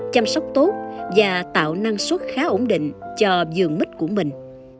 chăm sóc tốt và tạo năng suất khá ổn định cho vườn mít của mình